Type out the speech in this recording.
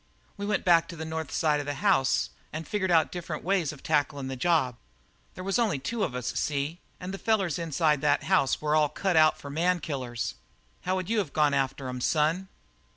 "We went back to the north side of the house and figured out different ways of tacklin' the job. There was only the two of us, see, and the fellers inside that house was all cut out for man killers. How would you have gone after 'em, son?"